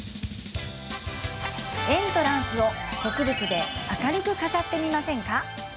エントランスを植物で明るく飾ってみませんか？